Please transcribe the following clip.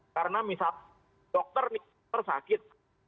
karena misal dokter sakit